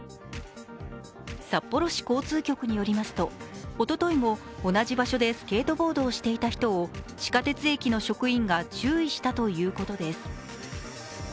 札幌市交通局によりますとおとといも同じ場所でスケートボードをしていた人を地下鉄駅の職員が注意したということです。